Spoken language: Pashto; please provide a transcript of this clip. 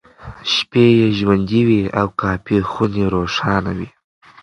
شپې یې ژوندۍ وې او کافيخونې روښانه وې.